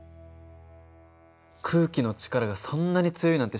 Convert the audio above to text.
空気の力がそんなに強いなんて知らなかった。